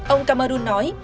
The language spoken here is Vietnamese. ông cameron nói